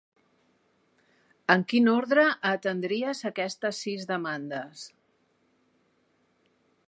En quin ordre atendries aquestes sis demandes?